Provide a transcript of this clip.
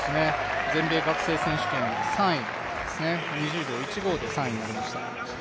全米学生選手権２０秒１５で３位になりました。